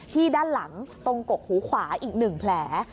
ด้านหลังตรงกกหูขวาอีก๑แผล